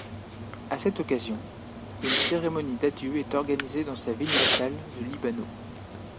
À cette occasion, une cérémonie d'adieux est organisée dans sa ville natale de Líbano.